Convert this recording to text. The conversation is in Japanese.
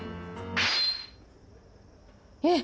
えっ！